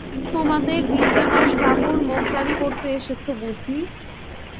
তোমাদের বিপ্রদাসবাবুর মোক্তারি করতে এসেছ বুঝি?